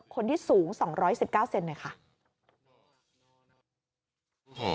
คนที่สูง๒๑๙เซนหน่อยค่ะ